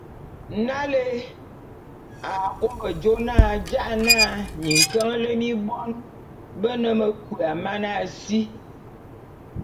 Nalé a kôbô jô na ja’ana minkeñelé mi bon be ne mekua mana si,